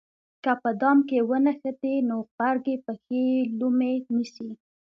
که په دام کې ونښتې نو غبرګې پښې یې لومې نیسي.